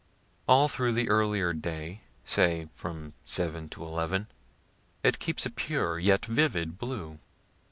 All through the earlier day (say from 7 to 11) it keeps a pure, yet vivid blue.